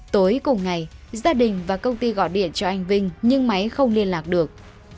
tối cùng ngày gia đình và công ty gọi điện cho anh vinh nhưng máy không liên lạc được